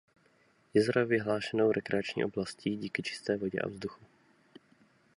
Jezero je vyhlášenou rekreační oblastí díky čisté vodě a vzduchu.